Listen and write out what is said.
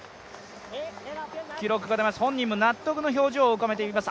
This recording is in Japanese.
記録が出ました、本人も納得の表情を浮かべています。